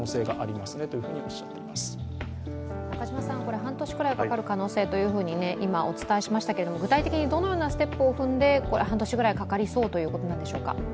半年くらいかかる可能性と今お伝えしましたけれども、具体的にどのようなステップを踏んで半年ぐらいかかりそうということなんでしょうか？